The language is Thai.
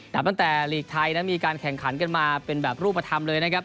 ตั้งแต่หลีกไทยมีการแข่งขันกันมาเป็นแบบรูปธรรมเลย